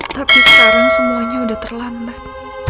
tapi sekarang semuanya sudah terlambat